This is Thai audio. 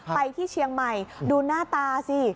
ไปที่เชียงใหม่ดูหน้าตาสิ